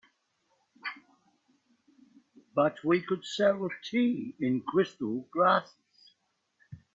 But we could sell tea in crystal glasses.